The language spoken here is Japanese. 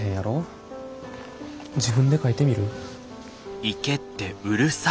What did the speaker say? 自分で書いてみる？